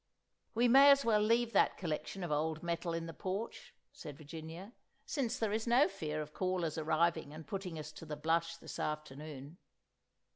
"We may as well leave that collection of old metal in the porch," said Virginia, "since there is no fear of callers arriving and putting us to the blush this afternoon."